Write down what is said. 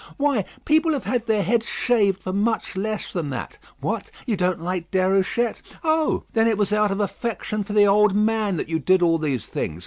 Why, people have had their heads shaved for much less than that. What! you don't like Déruchette? Oh, then, it was out of affection for the old man that you did all these things?